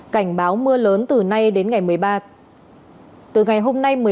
cảnh báo mưa lớn từ nay đến ngày hôm nay